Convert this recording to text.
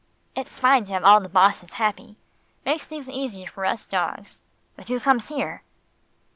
"It's fine to have all the bosses happy. Makes things easier for us dogs but who comes here?"